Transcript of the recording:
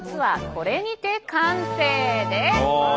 これにて完成です。